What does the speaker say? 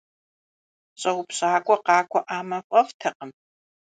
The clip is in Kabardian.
Щӏэупщӏакӏуэ къакӏуэӏауэ фӏэфӏтэкъым.